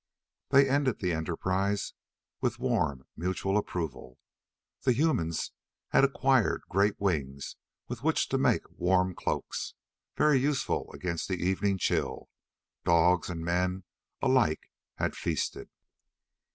They ended the enterprise with warm mutual approval. The humans had acquired great wings with which to make warm cloaks, very useful against the evening chill. Dogs and men, alike, had feasted.